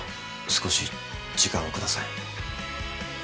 少し時間を下さい。